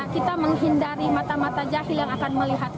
kita menghindari mata mata jahil yang akan melihat